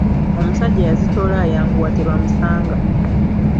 Omusajja yazitoola ayanguwa tebamusanga.